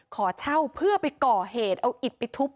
ขอเช่าเพื่อไปก่อเหตุเอาอิดไปทุบ